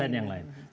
dan yang lain lain